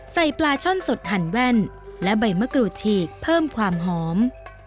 ปลาช่อนสดหั่นแว่นและใบมะกรูดฉีกเพิ่มความหอม